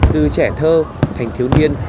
từ trẻ thơ thành thiếu niên